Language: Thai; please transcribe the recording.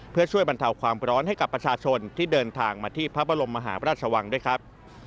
เพื่อช่วยบรรเทาความร้อนให้กับประชาชนที่เดินทางมาที่พระบรมมหาพระราชวังด้วยครับ